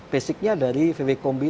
basisnya dari vw kombi